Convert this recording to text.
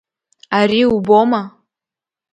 Ари убома?